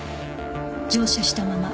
乗車したまま。